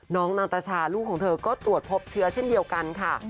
นางตาชาลูกของเธอก็ตรวจพบเชื้อเช่นเดียวกันค่ะ